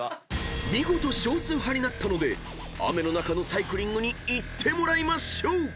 ［見事少数派になったので雨の中のサイクリングに行ってもらいましょう］